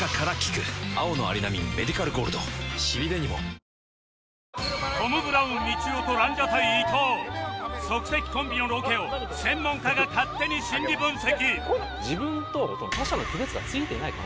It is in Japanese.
「看板宣言」「看板宣言じゃない」トム・ブラウンみちおとランジャタイ伊藤即席コンビのロケを専門家が勝手に心理分析